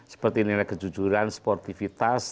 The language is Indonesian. seperti nilai kejujuran sportivitas